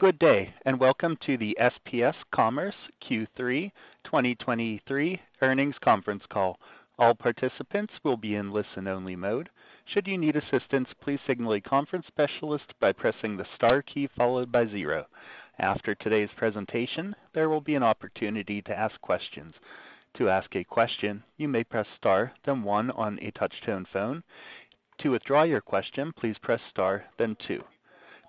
Good day, and welcome to the SPS Commerce Q3 2023 earnings conference call. All participants will be in listen-only mode. Should you need assistance, please signal a conference specialist by pressing the star key followed by zero. After today's presentation, there will be an opportunity to ask questions. To ask a question, you may press star, then one on a touchtone phone. To withdraw your question, please press star, then two.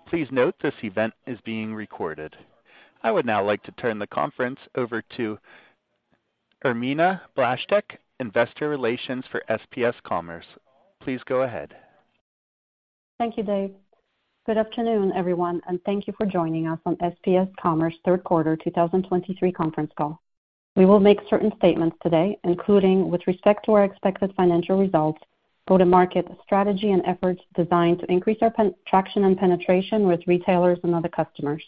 Please note, this event is being recorded. I would now like to turn the conference over to Irmina Blaszczyk, Investor Relations for SPS Commerce. Please go ahead. Thank you, Dave. Good afternoon, everyone, and thank you for joining us on the SPS Commerce Q3 2023 conference call. We will make certain statements today, including with respect to our expected financial results, go-to-market strategy, and efforts designed to increase our penetration with retailers and other customers.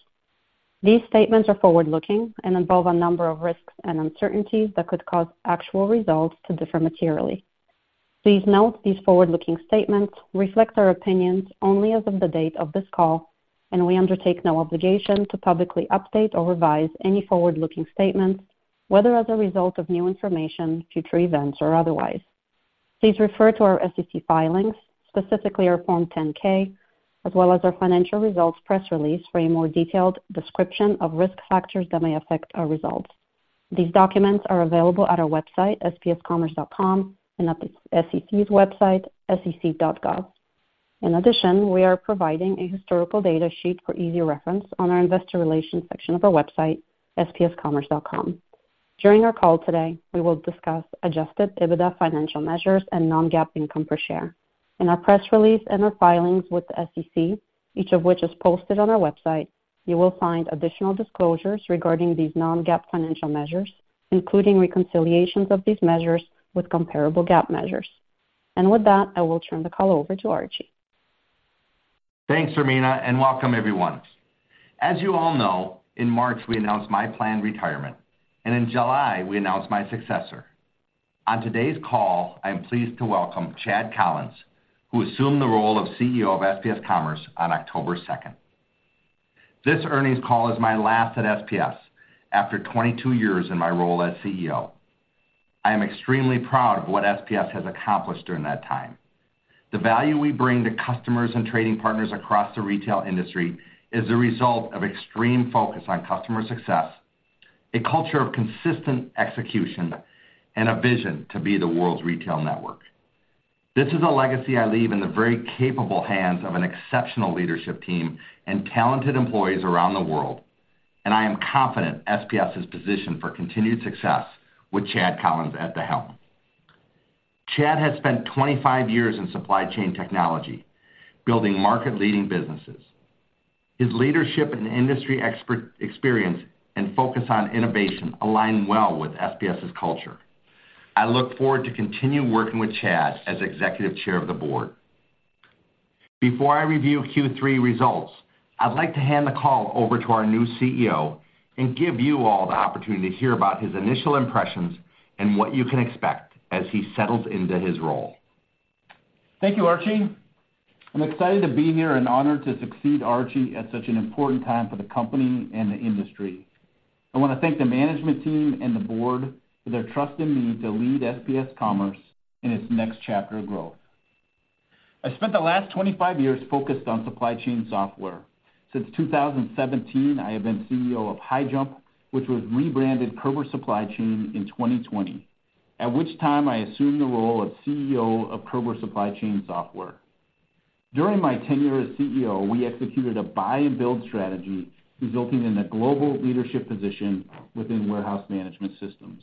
These statements are forward-looking and involve a number of risks and uncertainties that could cause actual results to differ materially. Please note these forward-looking statements reflect our opinions only as of the date of this call, and we undertake no obligation to publicly update or revise any forward-looking statements, whether as a result of new information, future events, or otherwise. Please refer to our SEC filings, specifically our Form 10-K, as well as our financial results press release for a more detailed description of risk factors that may affect our results. These documents are available at our website, spscommerce.com, and at the SEC's website, sec.gov. In addition, we are providing a historical data sheet for easy reference on our investor relations section of our website, spscommerce.com. During our call today, we will discuss adjusted EBITDA financial measures and non-GAAP income per share. In our press release and our filings with the SEC, each of which is posted on our website, you will find additional disclosures regarding these non-GAAP financial measures, including reconciliations of these measures with comparable GAAP measures. With that, I will turn the call over to Archie. Thanks, Irmina, and welcome, everyone. As you all know, in March, we announced my planned retirement, and in July, we announced my successor. On today's call, I am pleased to welcome Chad Collins, who assumed the role of CEO of SPS Commerce on October 2. This earnings call is my last at SPS after 22 years in my role as CEO. I am extremely proud of what SPS has accomplished during that time. The value we bring to customers and trading partners across the retail industry is a result of extreme focus on customer success, a culture of consistent execution, and a vision to be the world's retail network. This is a legacy I leave in the very capable hands of an exceptional leadership team and talented employees around the world, and I am confident SPS is positioned for continued success with Chad Collins at the helm. Chad has spent 25 years in supply chain technology, building market-leading businesses. His leadership and industry experience and focus on innovation align well with SPS's culture. I look forward to continuing working with Chad as executive chair of the board. Before I review Q3 results, I'd like to hand the call over to our new CEO and give you all the opportunity to hear about his initial impressions and what you can expect as he settles into his role. Thank you, Archie. I'm excited to be here and honored to succeed Archie at such an important time for the company and the industry. I want to thank the management team and the board for their trust in me to lead SPS Commerce in its next chapter of growth. I spent the last 25 years focused on supply chain software. Since 2017, I have been CEO of HighJump, which was rebranded Körber Supply Chain in 2020, at which time I assumed the role of CEO of Körber Supply Chain Software. During my tenure as CEO, we executed a buy and build strategy, resulting in a global leadership position within warehouse management systems.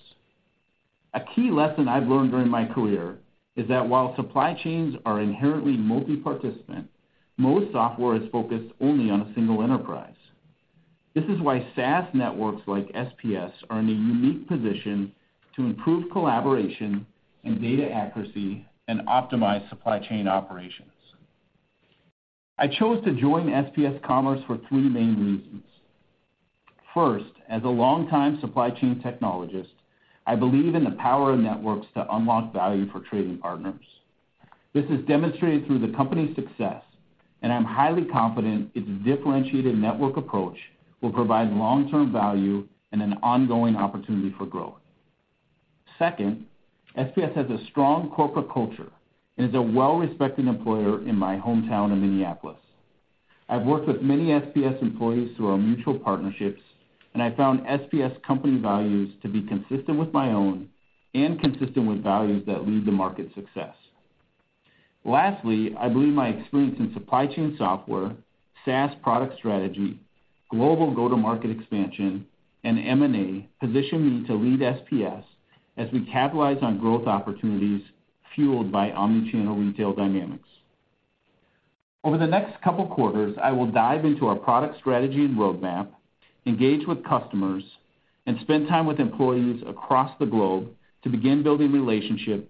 A key lesson I've learned during my career is that while supply chains are inherently multi-participant, most software is focused only on a single enterprise. This is why SaaS networks like SPS are in a unique position to improve collaboration and data accuracy and optimize supply chain operations. I chose to join SPS Commerce for three main reasons. First, as a long-time supply chain technologist, I believe in the power of networks to unlock value for trading partners. This is demonstrated through the company's success, and I'm highly confident its differentiated network approach will provide long-term value and an ongoing opportunity for growth. Second, SPS has a strong corporate culture and is a well-respected employer in my hometown of Minneapolis. I've worked with many SPS employees through our mutual partnerships, and I found SPS company values to be consistent with my own and consistent with values that lead to market success. Lastly, I believe my experience in supply chain software, SaaS product strategy, global go-to-market expansion, and M&A position me to lead SPS as we capitalize on growth opportunities fueled by omnichannel retail dynamics. Over the next couple of quarters, I will dive into our product strategy and roadmap, engage with customers, and spend time with employees across the globe to begin building relationships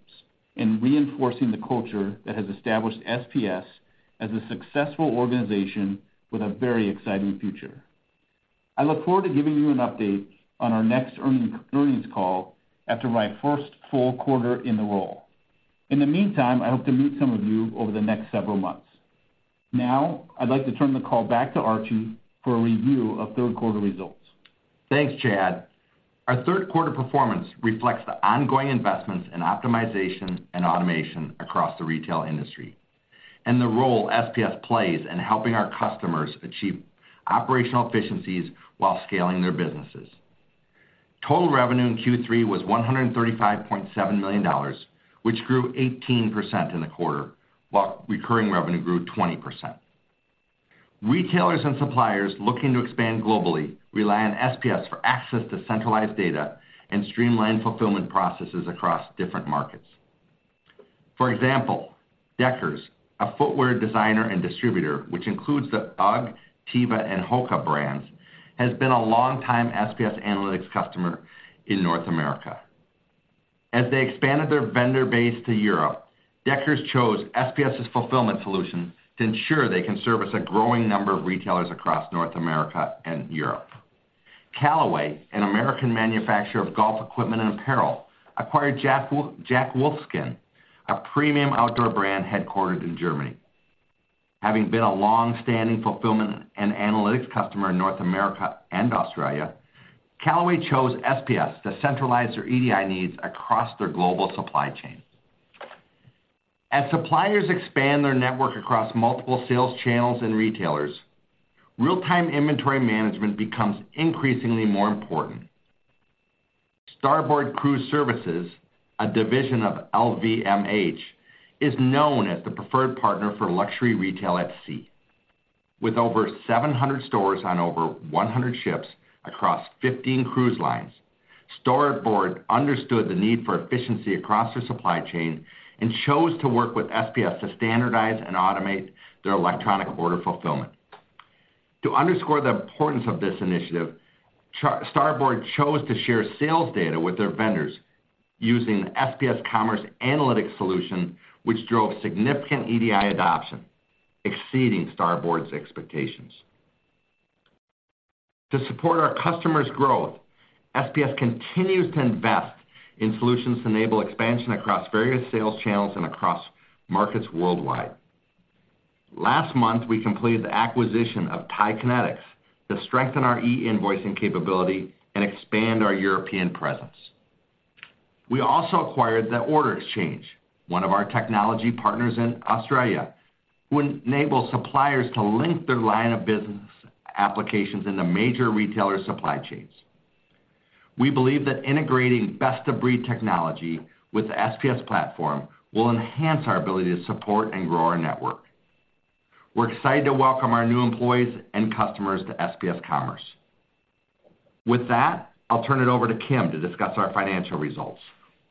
and reinforcing the culture that has established SPS as a successful organization with a very exciting future. I look forward to giving you an update on our next earning, earnings call after my first full quarter in the role. In the meantime, I hope to meet some of you over the next several months. Now, I'd like to turn the call back to Archie for a review of Q3 results. Thanks, Chad. Our Q3 performance reflects the ongoing investments in optimization and automation across the retail industry, and the role SPS plays in helping our customers achieve operational efficiencies while scaling their businesses. Total revenue in Q3 was $135.7 million, which grew 18% in the quarter, while recurring revenue grew 20%. Retailers and suppliers looking to expand globally rely on SPS for access to centralized data and streamlined fulfillment processes across different markets. For example, Deckers, a footwear designer and distributor, which includes the UGG, Teva, and HOKA brands, has been a longtime SPS Analytics customer in North America. As they expanded their vendor base to Europe, Deckers chose SPS's fulfillment solution to ensure they can serve a growing number of retailers across North America and Europe. Callaway, an American manufacturer of golf equipment and apparel, acquired Jack Wolfskin, a premium outdoor brand headquartered in Germany. Having been a long-standing fulfillment and analytics customer in North America and Australia, Callaway chose SPS to centralize their EDI needs across their global supply chain. As suppliers expand their network across multiple sales channels and retailers, real-time inventory management becomes increasingly more important. Starboard Cruise Services, a division of LVMH, is known as the preferred partner for luxury retail at sea. With over 700 stores on over 100 ships across 15 cruise lines, Starboard understood the need for efficiency across their supply chain and chose to work with SPS to standardize and automate their electronic order fulfillment. To underscore the importance of this initiative, Starboard chose to share sales data with their vendors using SPS Commerce Analytics solution, which drove significant EDI adoption, exceeding Starboard's expectations. To support our customers' growth, SPS continues to invest in solutions to enable expansion across various sales channels and across markets worldwide. Last month, we completed the acquisition of TIE Kinetix, to strengthen our e-invoicing capability and expand our European presence. We also acquired The Order Exchange, one of our technology partners in Australia, who enable suppliers to link their line of business applications into major retailer supply chains. We believe that integrating best-of-breed technology with the SPS platform will enhance our ability to support and grow our network. We're excited to welcome our new employees and customers to SPS Commerce. With that, I'll turn it over to Kim to discuss our financial results.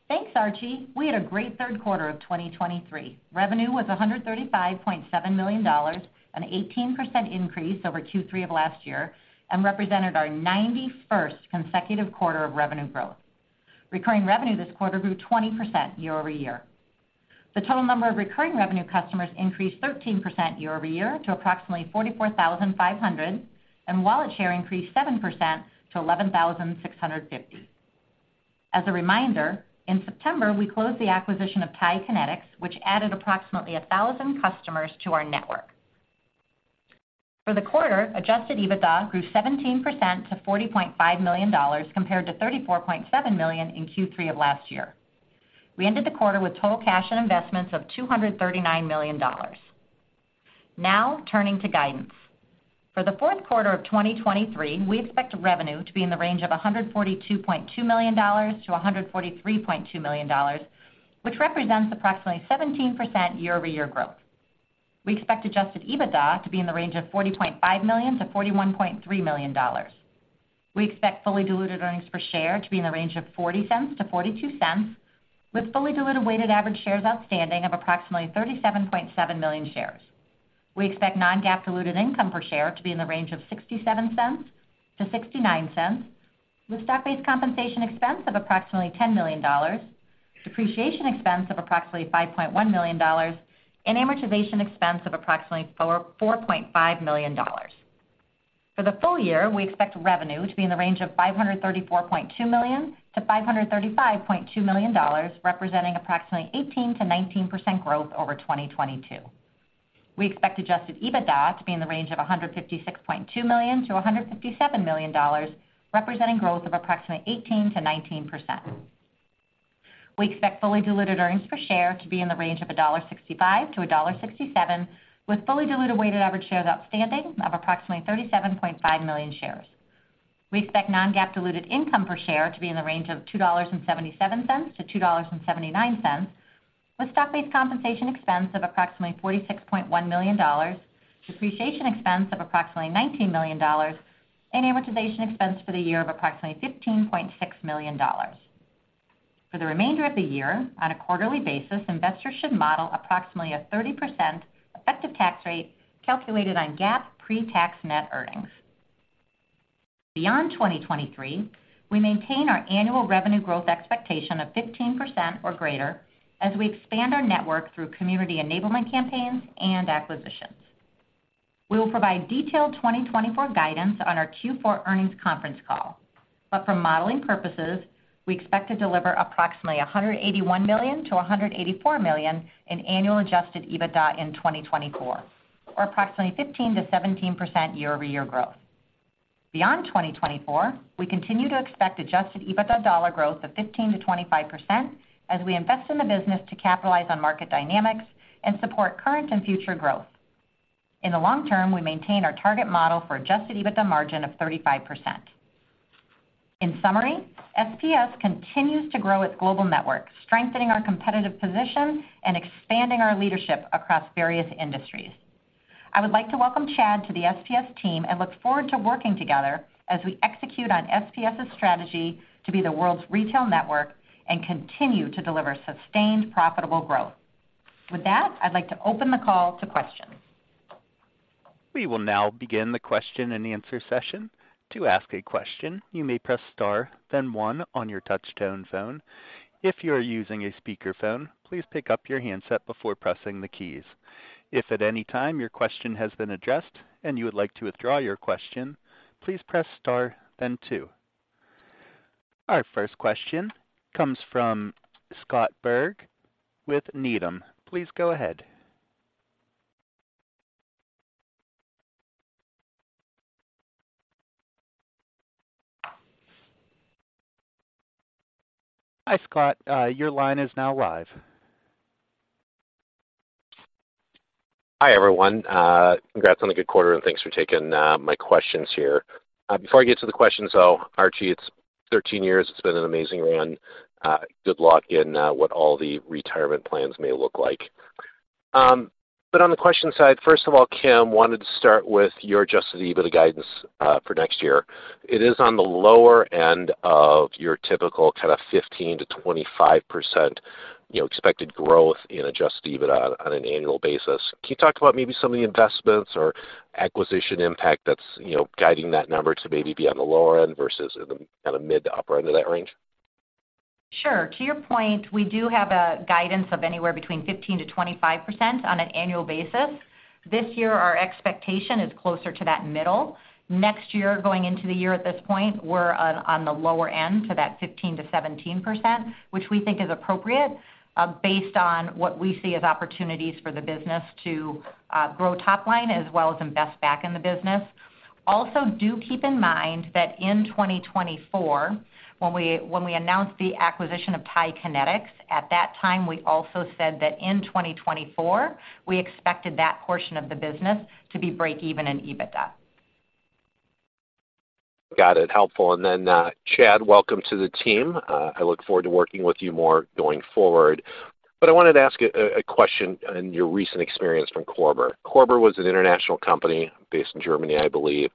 Thanks, Archie. We had a great Q3 of 2023. Revenue was $135.7 million, an 18% increase over Q3 of last year, and represented our 91st consecutive quarter of revenue growth. Recurring revenue this quarter grew 20% year-over-year. The total number of recurring revenue customers increased 13% year-over-year to approximately 44,500, and wallet share increased 7% to 11,650. As a reminder, in September, we closed the acquisition of TIE Kinetix, which added approximately 1,000 customers to our network. For the quarter, adjusted EBITDA grew 17% to $40.5 million, compared to $34.7 million in Q3 of last year. We ended the quarter with total cash and investments of $239 million. Now, turning to guidance. For the Q4 of 2023, we expect revenue to be in the range of $142.2 million-$143.2 million, which represents approximately 17% year-over-year growth. We expect adjusted EBITDA to be in the range of $40.5 million-$41.3 million. We expect fully diluted earnings per share to be in the range of $0.40-$0.42, with fully diluted weighted average shares outstanding of approximately 37.7 million shares. We expect non-GAAP diluted income per share to be in the range of $0.67-$0.69, with stock-based compensation expense of approximately $10 million, depreciation expense of approximately $5.1 million, and amortization expense of approximately $4.5 million. For the full year, we expect revenue to be in the range of $534.2 million-$535.2 million, representing approximately 18%-19% growth over 2022. We expect adjusted EBITDA to be in the range of $156.2 million-$157 million, representing growth of approximately 18%-19%. We expect fully diluted earnings per share to be in the range of $1.65-$1.67, with fully diluted weighted average shares outstanding of approximately 37.5 million shares. We expect non-GAAP diluted earnings per share to be in the range of $2.77-$2.79, with stock-based compensation expense of approximately $46.1 million, depreciation expense of approximately $19 million, and amortization expense for the year of approximately $15.6 million. For the remainder of the year, on a quarterly basis, investors should model approximately a 30% effective tax rate calculated on GAAP pre-tax net earnings. Beyond 2023, we maintain our annual revenue growth expectation of 15% or greater as we expand our network through community enablement campaigns and acquisitions. We will provide detailed 2024 guidance on our Q4 earnings conference call. But for modeling purposes, we expect to deliver approximately $181 million-$184 million in annual adjusted EBITDA in 2024, or approximately 15%-17% year-over-year growth. Beyond 2024, we continue to expect adjusted EBITDA dollar growth of 15%-25% as we invest in the business to capitalize on market dynamics and support current and future growth. In the long term, we maintain our target model for adjusted EBITDA margin of 35%. In summary, SPS continues to grow its global network, strengthening our competitive position and expanding our leadership across various industries. I would like to welcome Chad to the SPS team and look forward to working together as we execute on SPS's strategy to be the world's retail network and continue to deliver sustained, profitable growth. With that, I'd like to open the call to questions. We will now begin the question-and-answer session. To ask a question, you may press star, then one on your touchtone phone. If you are using a speakerphone, please pick up your handset before pressing the keys. If at any time your question has been addressed and you would like to withdraw your question, please press star, then two. Our first question comes from Scott Berg with Needham. Please go ahead. Hi, Scott, your line is now live. Hi, everyone. Congrats on the good quarter, and thanks for taking my questions here. Before I get to the questions, though, Archie, it's 13 years. It's been an amazing run. Good luck in what all the retirement plans may look like. But on the question side, first of all, Kim, wanted to start with your adjusted EBITDA guidance for next year. It is on the lower end of your typical kind of 15%-25%, you know, expected growth in adjusted EBITDA on an annual basis. Can you talk about maybe some of the investments or acquisition impact that's, you know, guiding that number to maybe be on the lower end versus in the kind of mid to upper end of that range? Sure. To your point, we do have a guidance of anywhere between 15%-25% on an annual basis. This year, our expectation is closer to that middle. Next year, going into the year at this point, we're on the lower end, so that 15%-17%, which we think is appropriate based on what we see as opportunities for the business to grow top line as well as invest back in the business. Also, do keep in mind that in 2024, when we announced the acquisition of TIE Kinetix, at that time, we also said that in 2024, we expected that portion of the business to be break even in EBITDA. Got it. Helpful. And then, Chad, welcome to the team. I look forward to working with you more going forward. But I wanted to ask a question on your recent experience from Körber. Körber was an international company based in Germany, I believe.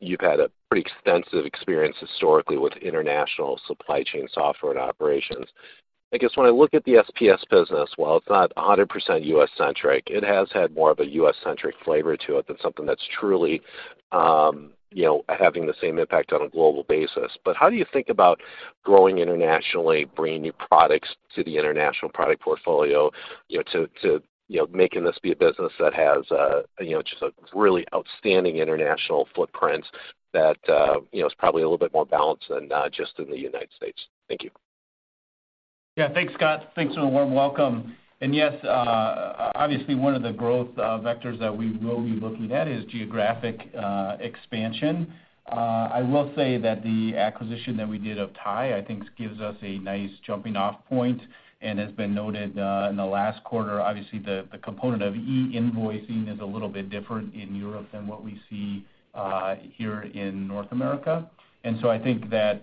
You've had a pretty extensive experience historically with international supply chain software and operations. I guess when I look at the SPS business, while it's not 100% U.S.-centric, it has had more of a U.S.-centric flavor to it than something that's truly, you know, having the same impact on a global basis. But how do you think about growing internationally, bringing new products to the international product portfolio, you know, to you know, making this be a business that has a, you know, just a really outstanding international footprint that, you know, is probably a little bit more balanced than just in the United States? Thank you. Yeah, thanks, Scott. Thanks for the warm welcome. And yes, obviously, one of the growth vectors that we will be looking at is geographic expansion. I will say that the acquisition that we did of TIE, I think, gives us a nice jumping-off point, and has been noted in the last quarter. Obviously, the component of e-invoicing is a little bit different in Europe than what we see here in North America. And so I think that,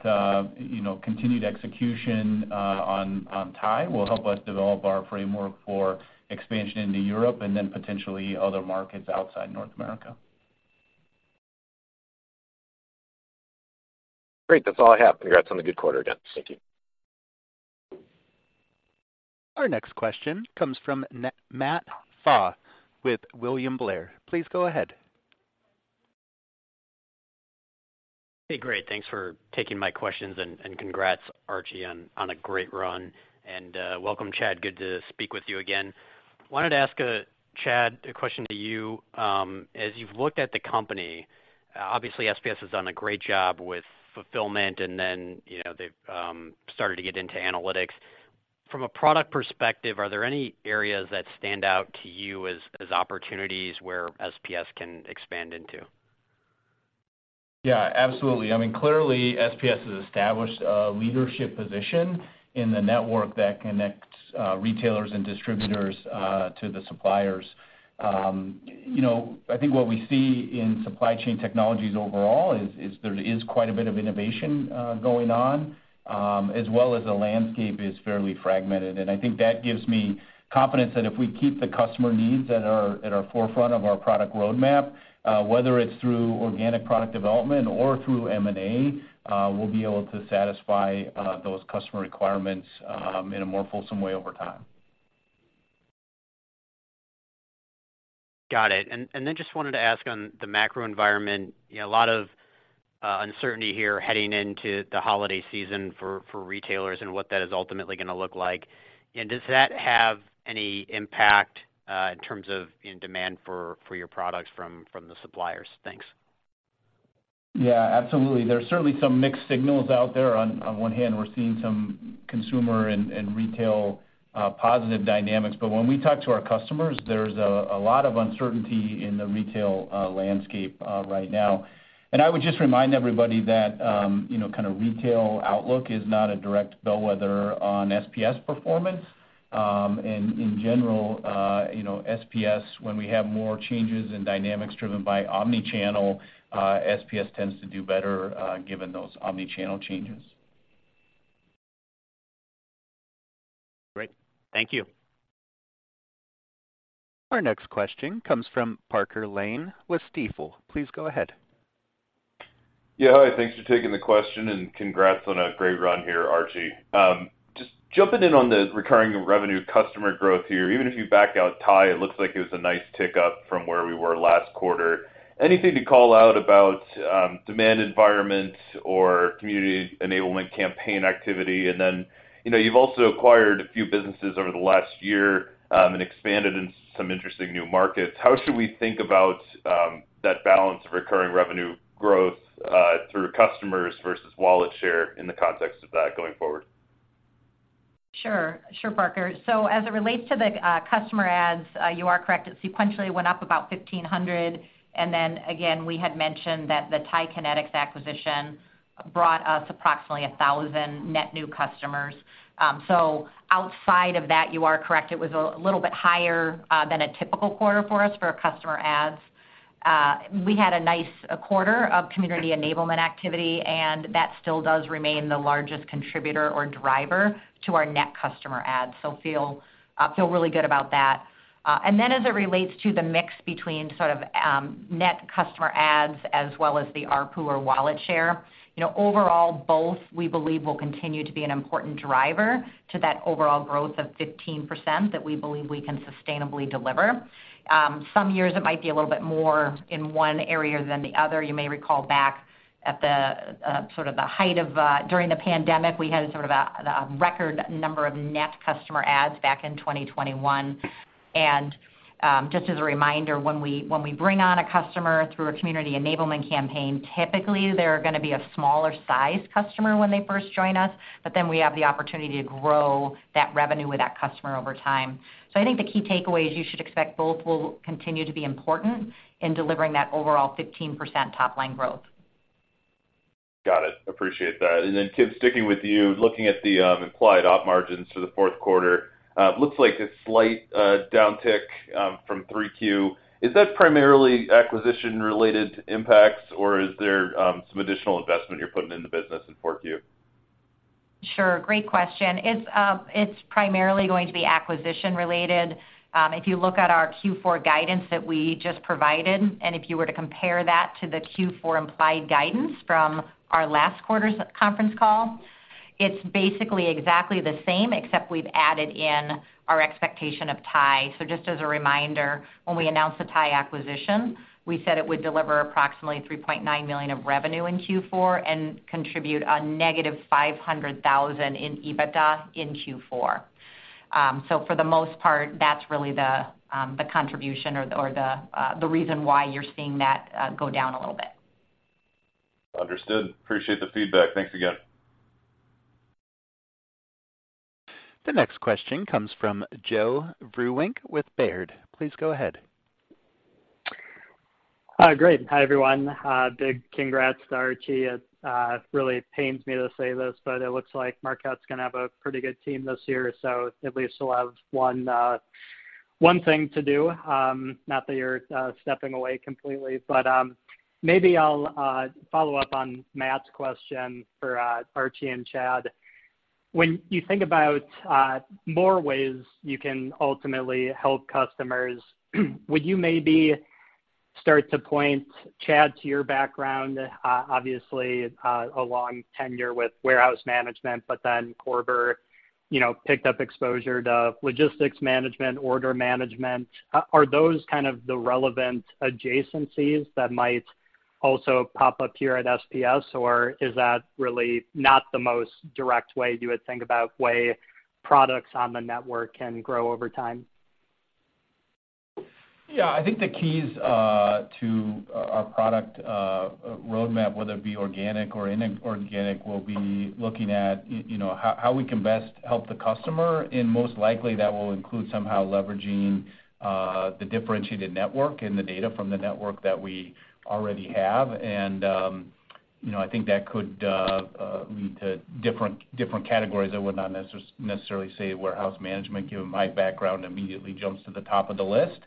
you know, continued execution on TIE will help us develop our framework for expansion into Europe and then potentially other markets outside North America. Great. That's all I have. Congrats on the good quarter again. Thank you. Our next question comes from Matt Pfau with William Blair. Please go ahead. Hey, great. Thanks for taking my questions, and congrats, Archie, on a great run. And welcome, Chad, good to speak with you again. Wanted to ask, Chad, a question to you. As you've looked at the company, obviously SPS has done a great job with fulfillment, and then, you know, they've started to get into analytics. From a product perspective, are there any areas that stand out to you as opportunities where SPS can expand into? Yeah, absolutely. I mean, clearly, SPS has established a leadership position in the network that connects retailers and distributors to the suppliers. You know, I think what we see in supply chain technologies overall is there is quite a bit of innovation going on, as well as the landscape is fairly fragmented. And I think that gives me confidence that if we keep the customer needs at our forefront of our product roadmap, whether it's through organic product development or through M&A, we'll be able to satisfy those customer requirements in a more fulsome way over time. Got it. And then just wanted to ask on the macro environment, you know, a lot of uncertainty here heading into the holiday season for retailers and what that is ultimately going to look like. And does that have any impact in terms of, you know, demand for your products from the suppliers? Thanks. Yeah, absolutely. There's certainly some mixed signals out there. On one hand, we're seeing some consumer and retail positive dynamics, but when we talk to our customers, there's a lot of uncertainty in the retail landscape right now. And I would just remind everybody that, you know, kind of retail outlook is not a direct bellwether on SPS performance. And in general, you know, SPS, when we have more changes in dynamics driven by omnichannel, SPS tends to do better given those omnichannel changes. Great. Thank you. Our next question comes from Parker Lane with Stifel. Please go ahead. Yeah. Hi, thanks for taking the question, and congrats on a great run here, Archie. Just jumping in on the recurring revenue customer growth here. Even if you back out TIE, it looks like it was a nice tick up from where we were last quarter. Anything to call out about, demand environment or community enablement campaign activity? And then, you know, you've also acquired a few businesses over the last year, and expanded into some interesting new markets. How should we think about, that balance of recurring revenue growth, through customers versus wallet share in the context of that going forward? Sure, Parker. So as it relates to the customer adds, you are correct, it sequentially went up about 1,500, and then again, we had mentioned that the TIE Kinetix acquisition brought us approximately 1,000 net new customers. So outside of that, you are correct. It was a little bit higher than a typical quarter for us for our customer adds. We had a nice quarter of community enablement activity, and that still does remain the largest contributor or driver to our net customer adds, so feel, feel really good about that. And then as it relates to the mix between sort of, net customer adds as well as the ARPU or wallet share, you know, overall, both, we believe, will continue to be an important driver to that overall growth of 15% that we believe we can sustainably deliver. Some years it might be a little bit more in one area than the other. You may recall back at the sort of the height of during the pandemic, we had sort of a record number of net customer adds back in 2021. And just as a reminder, when we bring on a customer through a community enablement campaign, typically, they're gonna be a smaller size customer when they first join us, but then we have the opportunity to grow that revenue with that customer over time. I think the key takeaways you should expect both will continue to be important in delivering that overall 15% top-line growth. Got it. Appreciate that. And then, Kim, sticking with you, looking at the implied op margins for the Q4, looks like a slight downtick from 3Q. Is that primarily acquisition-related impacts, or is there some additional investment you're putting in the business in 4Q? Sure, great question. It's, it's primarily going to be acquisition-related. If you look at our Q4 guidance that we just provided, and if you were to compare that to the Q4 implied guidance from our last quarter's conference call, it's basically exactly the same, except we've added in our expectation of TIE. So just as a reminder, when we announced the TIE acquisition, we said it would deliver approximately $3.9 million of revenue in Q4 and contribute a negative $500,000 in EBITDA in Q4. So for the most part, that's really the contribution or the reason why you're seeing that go down a little bit. Understood. Appreciate the feedback. Thanks again. The next question comes from Joe Vruwink with Baird. Please go ahead. Great. Hi, everyone. Big congrats to Archie. It really pains me to say this, but it looks like Marquette's gonna have a pretty good team this year, so at least you'll have one thing to do. Not that you're stepping away completely, but maybe I'll follow up on Matt's question for Archie and Chad. When you think about more ways you can ultimately help customers, would you maybe start to point Chad to your background? Obviously, a long tenure with warehouse management, but then Körber, you know, picked up exposure to logistics management, order management. Are those kind of the relevant adjacencies that might also pop up here at SPS, or is that really not the most direct way you would think about way products on the network can grow over time? Yeah, I think the keys to our product roadmap, whether it be organic or inorganic, will be looking at, you know, how we can best help the customer, and most likely, that will include somehow leveraging the differentiated network and the data from the network that we already have. You know, I think that could lead to different categories. I would not necessarily say warehouse management, given my background, immediately jumps to the top of the list.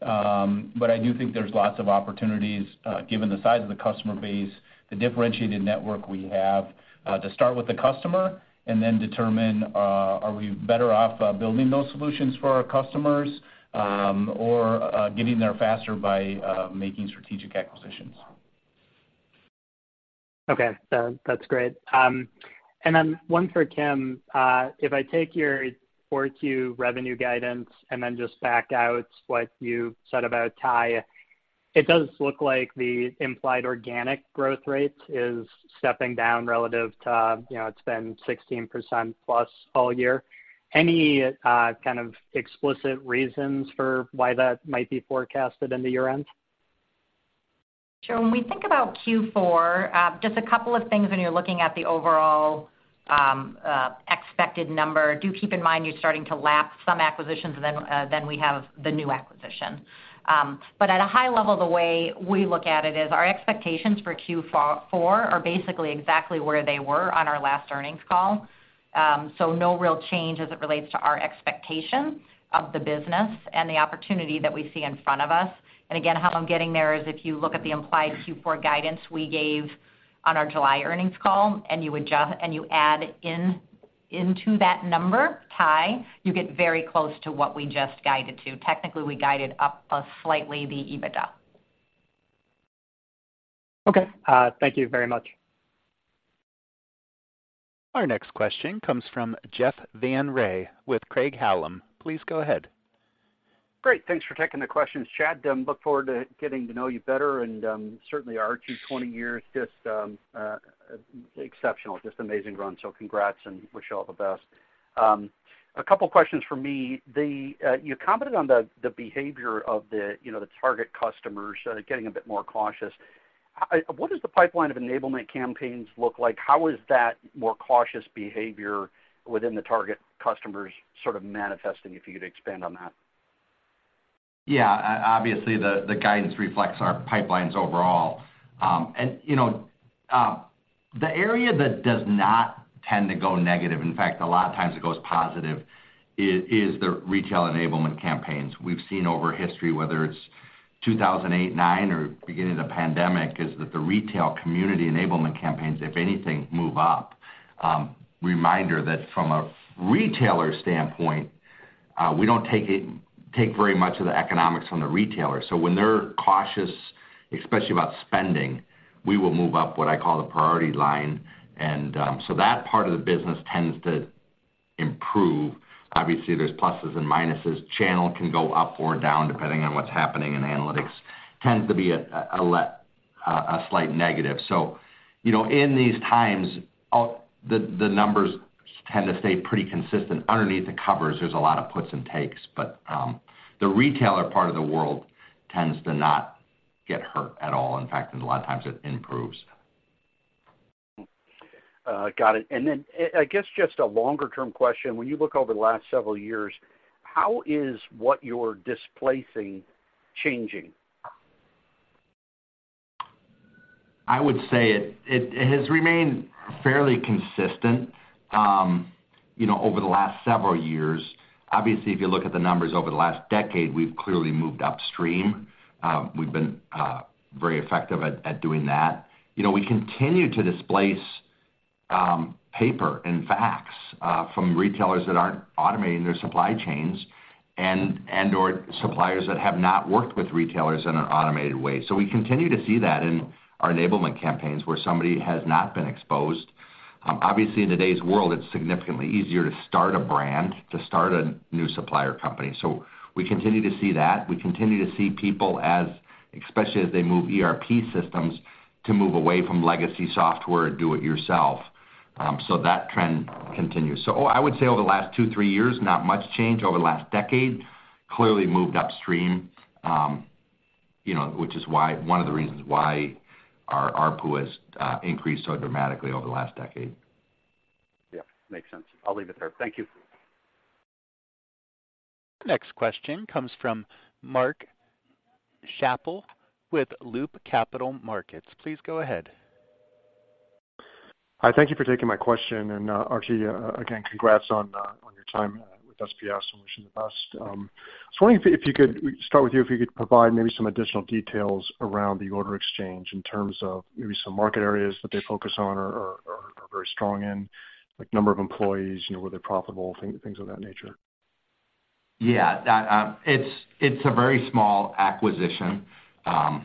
But I do think there's lots of opportunities, given the size of the customer base, the differentiated network we have, to start with the customer and then determine, are we better off building those solutions for our customers, or getting there faster by making strategic acquisitions. Okay, that, that's great. And then one for Kim. If I take your 4Q revenue guidance and then just back out what you said about TIE, it does look like the implied organic growth rate is stepping down relative to, you know, it's been 16%+ all year. Any kind of explicit reasons for why that might be forecasted into year-end? Sure. When we think about Q4, just a couple of things when you're looking at the overall expected number, do keep in mind you're starting to lap some acquisitions, then we have the new acquisition. At a high level, the way we look at it is our expectations for Q4 are basically exactly where they were on our last earnings call. No real change as it relates to our expectations of the business and the opportunity that we see in front of us. Again, how I'm getting there is if you look at the implied Q4 guidance we gave on our July earnings call, and you add in, into that number, TIE, you get very close to what we just guided to. Technically, we guided up slightly the EBITDA. Okay, thank you very much. Our next question comes from Jeff Van Rhee with Craig-Hallum. Please go ahead. Great. Thanks for taking the questions, Chad. Look forward to getting to know you better and, certainly our 22 years, just, exceptional, just amazing run. So congrats and wish you all the best. A couple of questions for me. The, you commented on the, the behavior of the, you know, the target customers getting a bit more cautious. What does the pipeline of enablement campaigns look like? How is that more cautious behavior within the target customers sort of manifesting, if you could expand on that? Yeah, obviously, the guidance reflects our pipelines overall. And, you know, the area that does not tend to go negative, in fact, a lot of times it goes positive, is the retail enablement campaigns. We've seen over history, whether it's 2008, 2009, or beginning of the pandemic, is that the retail community enablement campaigns, if anything, move up. Reminder that from a retailer standpoint, we don't take very much of the economics from the retailer. So when they're cautious, especially about spending, we will move up what I call the priority line, and so that part of the business tends to improve. Obviously, there's pluses and minuses. Channel can go up or down, depending on what's happening, and analytics tends to be a slight negative. So, you know, in these times, the numbers tend to stay pretty consistent. Underneath the covers, there's a lot of puts and takes, but the retailer part of the world tends to not get hurt at all. In fact, in a lot of times it improves. Got it. And then, I guess just a longer-term question. When you look over the last several years, how is what you're displacing changing? I would say it has remained fairly consistent, you know, over the last several years. Obviously, if you look at the numbers over the last decade, we've clearly moved upstream. We've been very effective at doing that. You know, we continue to displace paper and faxes from retailers that aren't automating their supply chains and/or suppliers that have not worked with retailers in an automated way. So we continue to see that in our enablement campaigns, where somebody has not been exposed. Obviously, in today's world, it's significantly easier to start a brand, to start a new supplier company. So we continue to see that. We continue to see people as, especially as they move ERP systems, to move away from legacy software and do it yourself. So that trend continues. So I would say over the last two-three years, not much change. Over the last decade, clearly moved upstream, you know, which is why one of the reasons why our ARPU has increased so dramatically over the last decade. Yeah, makes sense. I'll leave it there. Thank you. Next question comes from Mark Schappel with Loop Capital Markets. Please go ahead. Hi, thank you for taking my question, and, Archie, again, congrats on, on your time, with SPS, and wish you the best. I was wondering if, if you could start with you, if you could provide maybe some additional details around the Order Exchange in terms of maybe some market areas that they focus on or, or, or very strong in, like number of employees, you know, were they profitable, things of that nature. Yeah, that, it's, it's a very small acquisition, about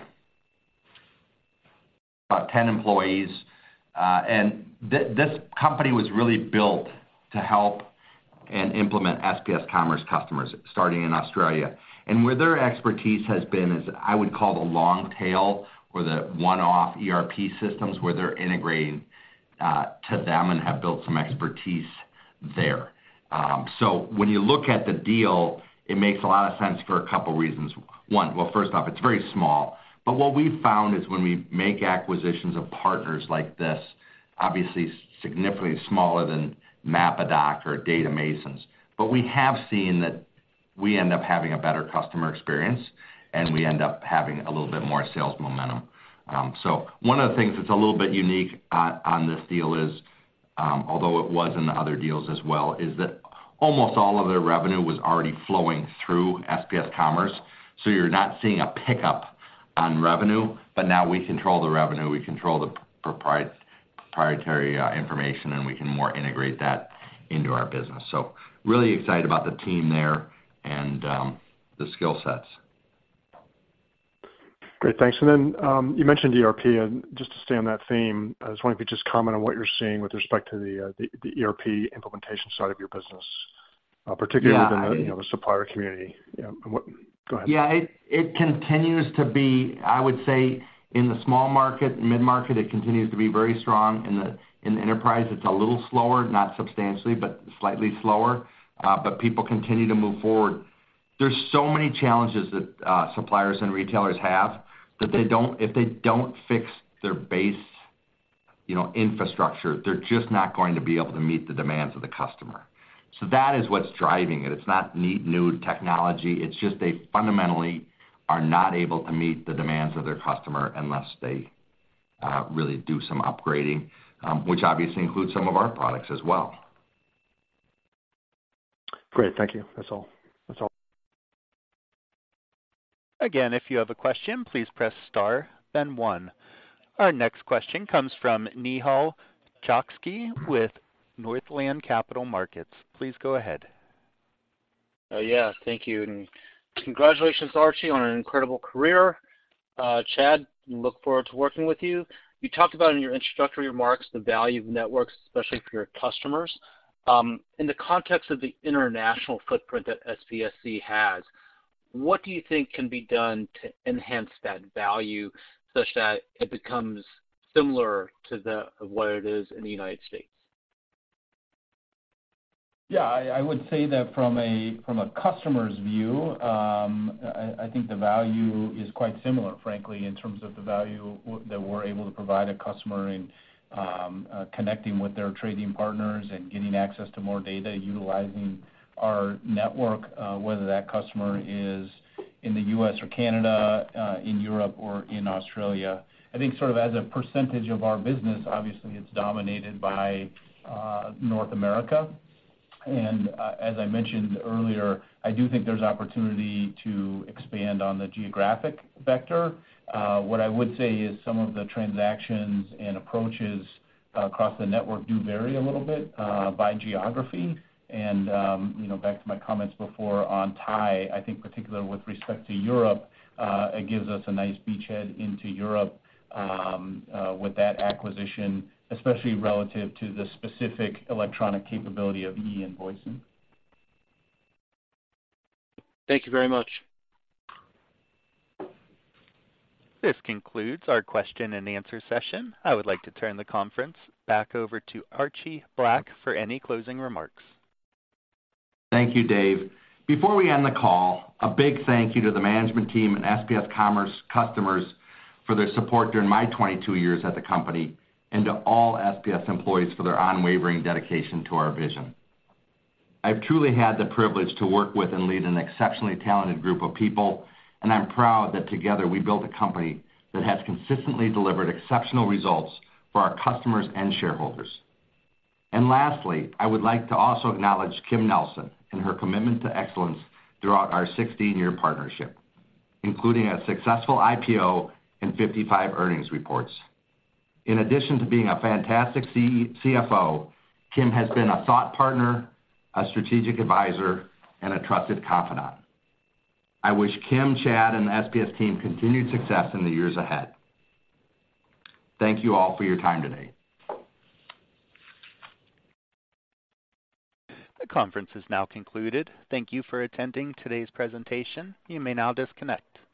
10 employees, and this company was really built to help and implement SPS Commerce customers, starting in Australia. And where their expertise has been is, I would call the long tail or the one-off ERP systems, where they're integrating to them and have built some expertise there. So when you look at the deal, it makes a lot of sense for a couple reasons. One, well, first off, it's very small, but what we found is when we make acquisitions of partners like this, obviously significantly smaller than MAPADOC or Data Masons, but we have seen that we end up having a better customer experience, and we end up having a little bit more sales momentum. So one of the things that's a little bit unique on, on this deal is, although it was in the other deals as well, is that almost all of their revenue was already flowing through SPS Commerce, so you're not seeing a pickup on revenue, but now we control the revenue, we control the proprietary information, and we can more integrate that into our business. So really excited about the team there and, the skill sets. Great, thanks. Then, you mentioned ERP, and just to stay on that theme, I was wondering if you could just comment on what you're seeing with respect to the ERP implementation side of your business, particularly- Yeah. within the, you know, the supplier community. Yeah. Go ahead. Yeah, it continues to be, I would say in the small market, mid-market, it continues to be very strong. In the enterprise, it's a little slower, not substantially, but slightly slower. But people continue to move forward. There's so many challenges that suppliers and retailers have, that they don't if they don't fix their base, you know, infrastructure, they're just not going to be able to meet the demands of the customer. So that is what's driving it. It's not new technology. It's just they fundamentally are not able to meet the demands of their customer unless they really do some upgrading, which obviously includes some of our products as well. Great. Thank you. That's all. That's all. Again, if you have a question, please press star then one. Our next question comes from Nehal Chokshi with Northland Capital Markets. Please go ahead. Yeah, thank you, and congratulations, Archie, on an incredible career. Chad, look forward to working with you. You talked about in your introductory remarks, the value of networks, especially for your customers. In the context of the international footprint that SPSC has, what do you think can be done to enhance that value such that it becomes similar to the, what it is in the United States? Yeah, I would say that from a customer's view, I think the value is quite similar, frankly, in terms of the value that we're able to provide a customer in connecting with their trading partners and getting access to more data, utilizing our network, whether that customer is in the U.S. or Canada, in Europe or in Australia. I think sort of as a percentage of our business, obviously, it's dominated by North America. As I mentioned earlier, I do think there's opportunity to expand on the geographic vector. What I would say is some of the transactions and approaches across the network do vary a little bit by geography. You know, back to my comments before on TIE, I think particularly with respect to Europe, it gives us a nice beachhead into Europe, with that acquisition, especially relative to the specific electronic capability of e-invoicing. Thank you very much. This concludes our question and answer session. I would like to turn the conference back over to Archie Black for any closing remarks. Thank you, Dave. Before we end the call, a big thank you to the management team and SPS Commerce customers for their support during my 22 years at the company, and to all SPS employees for their unwavering dedication to our vision. I've truly had the privilege to work with and lead an exceptionally talented group of people, and I'm proud that together, we built a company that has consistently delivered exceptional results for our customers and shareholders. Lastly, I would like to also acknowledge Kim Nelson and her commitment to excellence throughout our 16-year partnership, including a successful IPO and 55 earnings reports. In addition to being a fantastic CFO, Kim has been a thought partner, a strategic advisor, and a trusted confidant. I wish Kim, Chad, and the SPS team continued success in the years ahead. Thank you all for your time today. The conference is now concluded. Thank you for attending today's presentation. You may now disconnect.